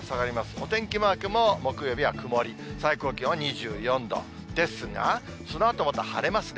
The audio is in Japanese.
お天気マークも、木曜日は曇り、最高気温２４度ですが、そのあとまた晴れますね。